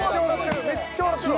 めっちゃ笑ってる。